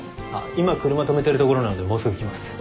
今車止めてるところなのでもうすぐ来ます。